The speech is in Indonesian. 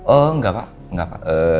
oh enggak pak